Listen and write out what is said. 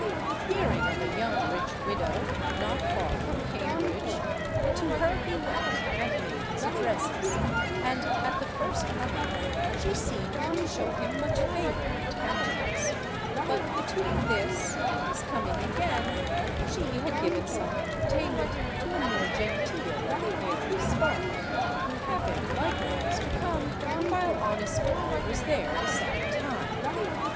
Hearing of a young rich widow, not far from Cambridge, to her he went and made his addresses, and, at the first coming, she seemed to show him much favour and countenance, but between this and his coming again she had given some entertainment to a more genteel and airy spark, who happened likewise to come while honest Tom was there the second time.